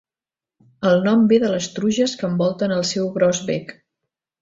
El nom ve de les truges que envolten el seu gros bec.